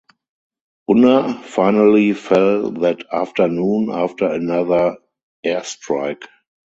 Unna finally fell that afternoon after another air strike.